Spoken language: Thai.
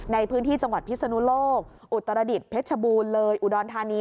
ในพื้นที่จังหวัดพิศนุโลกอุตรดิษฐเพชรบูรณ์เลยอุดรธานี